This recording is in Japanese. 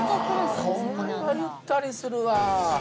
これはゆったりするわ。